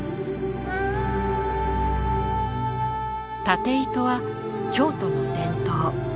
縦糸は京都の伝統。